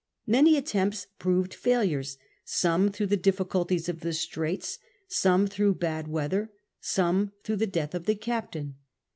Many attempts j)roved failures : some through the difficulties of the straits, some through bad weather, some through the death of the captain.